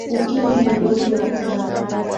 Ukimwi ni ugonjwa hatari